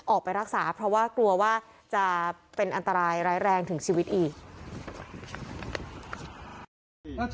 ออกไปรักษาเพราะว่ากลัวว่าจะเป็นอันตรายร้ายแรงถึงชีวิตอีก